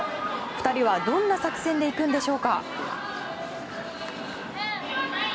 ２人は、どんな作戦でいくのでしょうか。